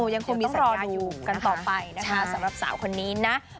ยังคงมีรออยู่กันต่อไปนะคะสำหรับสาวคนนี้นะ